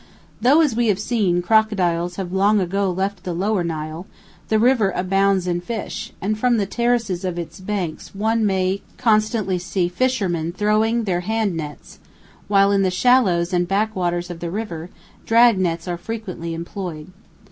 Though, as we have seen, crocodiles have long ago left the Lower Nile, the river abounds in fish, and from the terraces of its banks one may constantly see fishermen throwing their hand nets, while in the shallows and backwaters of the river, drag nets are frequently employed.